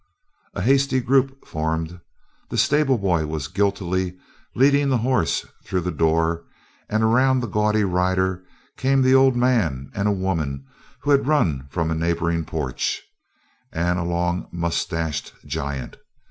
A hasty group formed. The stable boy was guiltily leading the horse through the door and around the gaudy rider came the old man, and a woman who had run from a neighboring porch, and a long moustached giant.